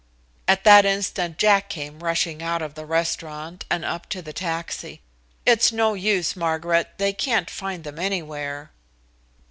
At that instant Jack came rushing out of the restaurant and up to the taxi. "It's no use, Margaret. They can't find them anywhere."